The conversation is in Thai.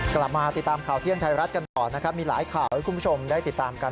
กลับมาติดตามข่าวเที่ยงไทยรัฐกันต่อนะครับมีหลายข่าวให้คุณผู้ชมได้ติดตามกัน